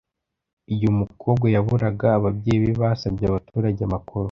Igihe umukobwa yaburaga, ababyeyi be basabye abaturage amakuru.